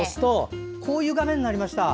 こういう画面になりました。